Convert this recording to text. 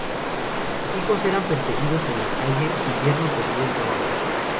Sus hijos eran perseguidos en la calle, su yerno perdió el trabajo.